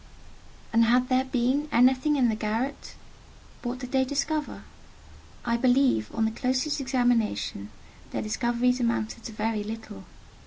And had there been anything in the garret? What did they discover? I believe, on the closest examination, their discoveries amounted to very little.